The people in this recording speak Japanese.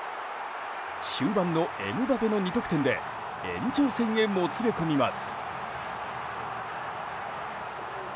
終盤のエムバペの２得点で延長戦へもつれ込みます。